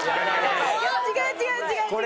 違う違う違う違う！